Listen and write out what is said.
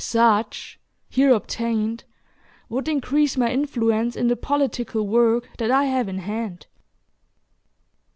Such, here obtained, would increase my influence in the political work that I have in hand."